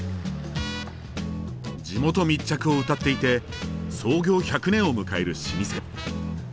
地元密着をうたっていて創業１００年を迎える老舗。